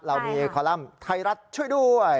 เรามีคอลัมป์ไทยรัฐช่วยด้วย